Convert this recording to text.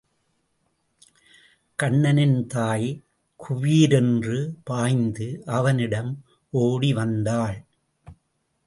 கண்ணனின் தாய் குபீரென்று பாய்ந்து அவனிடம் ஓடி வந்தாள்.